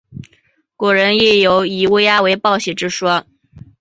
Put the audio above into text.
古人亦有以乌鸦为报喜之说。